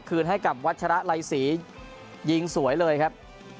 คืนให้กับวัชระไลศรียิงสวยเลยครับ